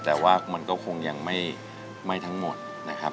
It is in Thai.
แต่ว่ามันก็คงยังไม่ทั้งหมดนะครับ